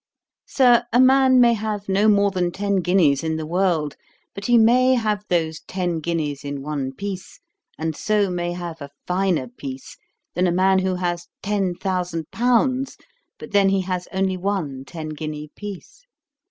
Sir, a man may have no more than ten guineas in the world, but he may have those ten guineas in one piece; and so may have a finer piece than a man who has ten thousand pounds: but then he has only one ten guinea piece.